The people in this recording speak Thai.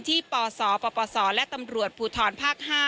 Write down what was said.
ปศปศและตำรวจภูทรภาค๕